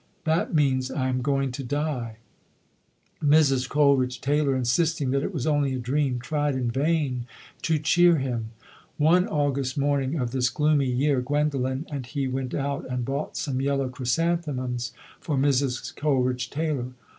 That means I am going to die". Mrs. Coleridge Taylor, insist ing that it was only a dream, tried in vain to cheer him. 148 ] UNSUNG HEROES One August morning of this gloomy year, Gwendolen and he went out and bought some yellow chrysanthemums for Mrs. Coleridge Tay lor.